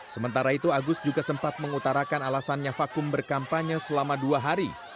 sementara itu agus juga sempat mengutarakan alasannya vakum berkampanye selama dua hari